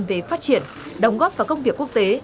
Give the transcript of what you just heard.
về phát triển đồng góp vào công việc quốc tế